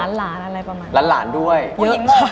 หลานอะไรประมาณนี้